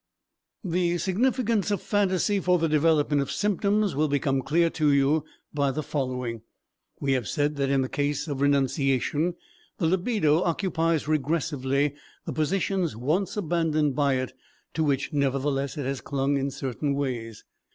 The significance of phantasy for the development of symptoms will become clear to you by the following: We have said that in a case of renunciation, the libido occupies regressively the positions once abandoned by it, to which, nevertheless, it has clung in certain ways.